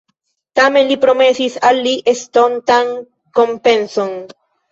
Tamen, li promesis al li estontan kompenson.